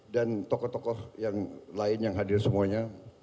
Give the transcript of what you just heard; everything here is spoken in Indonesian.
dan tokoh tokoh yang lain yang hadir semuanya